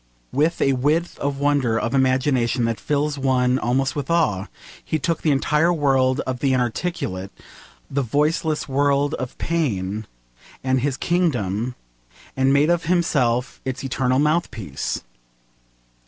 With a width and wonder of imagination that fills one almost with awe, he took the entire world of the inarticulate, the voiceless world of pain, as his kingdom, and made of himself its eternal mouthpiece.